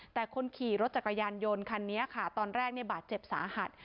แต่คนขี่รถจักรยานยนต์คันนี้ค่ะตอนแรกเนี่ยบาดเจ็บสาหัส